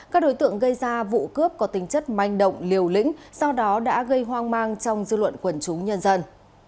các đối tượng gây ra vụ cướp có tính chất manh động liều lĩnh do đó đã gây hoang mang trong dư luận quần chúng nhân dân